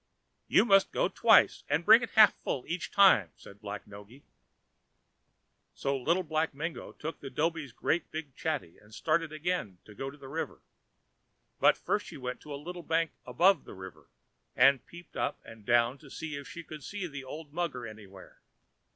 "You must go twice, and bring it half full each time," said Black Noggy. So Little Black Mingo took the dhobi's great big chatty, and started again to go to the river. But first she went to a little bank above the river, and peeped up and down to see if she could see the old mugger anywhere.